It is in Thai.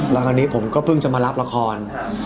และวันนี้ผมเพิ่งจะมารับละคร